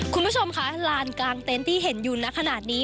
คุณผู้ชมค่ะลานกลางเต้นที่เห็นอยู่นักขนาดนี้